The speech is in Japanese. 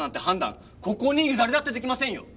ここにいる誰だって出来ませんよ！